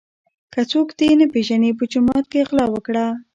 که څوک دي نه پیژني په جومات کي غلا وکړه.